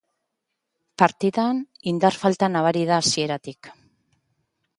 Partidan indar falta nabari da hasieratik.